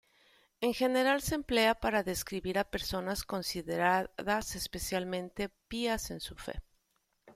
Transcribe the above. En general se emplea para describir a personas consideradas especialmente pías en su fe.